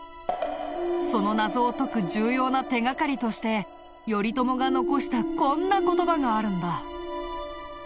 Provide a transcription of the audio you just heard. その謎を解く重要な手掛かりとして頼朝が残したこんな言葉があるんだ。